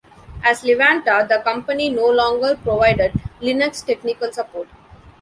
As Levanta, the company no longer provided Linux technical support.